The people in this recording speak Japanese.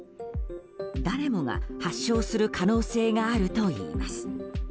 誰もが発症する可能性があるといいます。